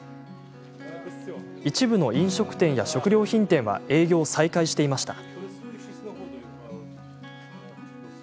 一部の飲食店や食料品店は営業を再開していました。